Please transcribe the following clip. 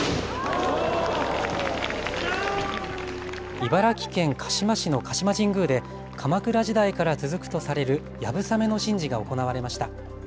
茨城県鹿嶋市の鹿島神宮で鎌倉時代から続くとされるやぶさめの神事が行われました。